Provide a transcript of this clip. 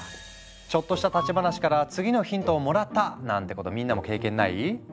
「ちょっとした立ち話から次のヒントをもらった」なんてことみんなも経験ない？